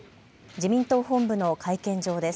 自民党本部の会見場です。